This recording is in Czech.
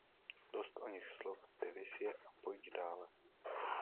Dost o nich slov, ty viz je a pojď dále!